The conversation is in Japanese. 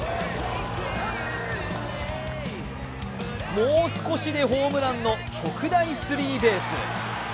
もう少しでホームランの特大スリーベース。